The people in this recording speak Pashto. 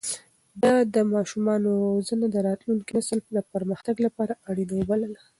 ده د ماشومانو روزنه د راتلونکي نسل د پرمختګ لپاره اړينه بلله.